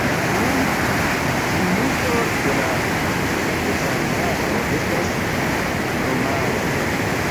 Nun plimulto de la loĝantaro estas romaoj.